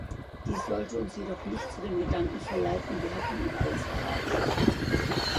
Dies sollte uns jedoch nicht zu dem Gedanken verleiten, wir hätten nun alles erreicht.